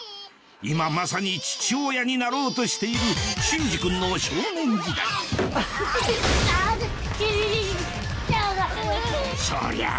今まさに父親になろうとしている隼司君の少年時代そりゃあ